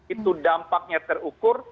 itu dampaknya terukur